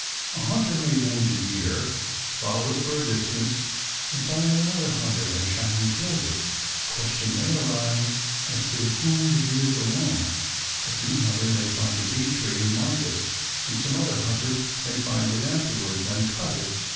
A hunter may wound a deer, follow it for a distance and find that another hunter has shot and killed it. The question might arise as to whom the deer belonged. A bee hunter may find a bee tree and mark it and some other hunter might find it afterwards and cut it.